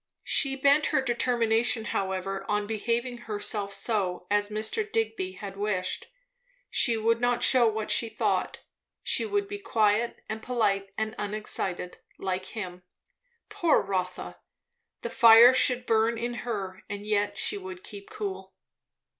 She bent her determination however on behaving herself so as Mr. Digby had wished. She would not shew what she thought. She would be quiet and polite and unexcited, like him. Poor Rotha! The fire should burn in her, and yet she would keep cool!